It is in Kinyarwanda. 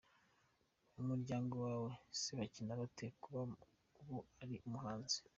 Mu muryango wawe se bakira bate kuba ubu uri umuhanzi?.